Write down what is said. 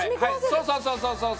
そうそうそうそう！